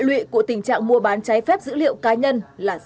hệ lụy của tình trạng mua bán trái phép dữ liệu cá nhân là rất khó hạn